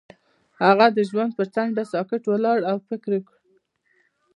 هغه د ژوند پر څنډه ساکت ولاړ او فکر وکړ.